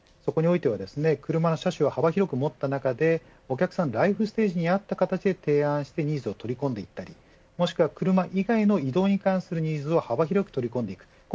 そこにおいては車の車種は幅広く持った中でお客さんのライフステージに合った形で提案してニーズを取り込んで行ったりもしくは車以外の移動に対するニーズを幅広く取り込んでいく。